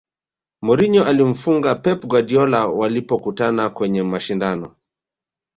mourinho alimfunga pep guardiola walipokutana kwenye mashindano